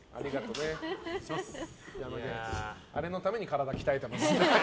あれのために体鍛えてます。